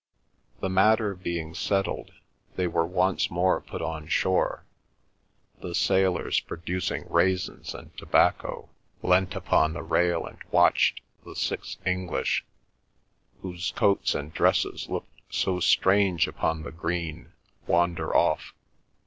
The matter being settled, they were once more put on shore: the sailors, producing raisins and tobacco, leant upon the rail and watched the six English, whose coats and dresses looked so strange upon the green, wander off.